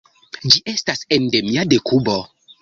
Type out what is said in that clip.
Ĝi estas endemia de Kubo.